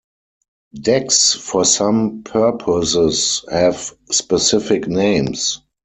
Decks for some purposes have specific names.